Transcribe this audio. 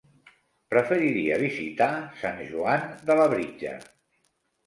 Preferiria visitar Sant Joan de Labritja.